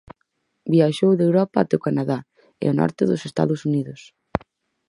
Viaxou de Europa até o Canadá e o norte dos Estados Unidos.